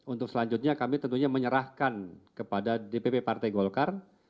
untuk selanjutnya kami tentunya menyerahkan kepada dpp partai golkar